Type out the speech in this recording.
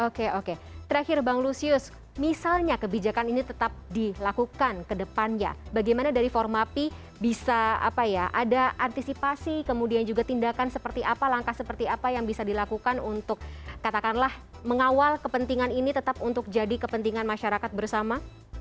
oke oke terakhir bang lusius misalnya kebijakan ini tetap dilakukan kedepannya bagaimana dari formapi bisa apa ya ada antisipasi kemudian juga tindakan seperti apa langkah seperti apa yang bisa dilakukan untuk katakanlah mengawal kepentingan ini tetap untuk jadi kepentingan masyarakat bersama